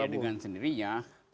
iya iya dengan sendirinya